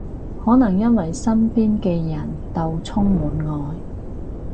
可能因為身邊嘅人到充滿愛